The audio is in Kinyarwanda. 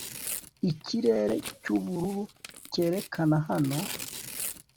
ikirere cyubururu cyerekana hano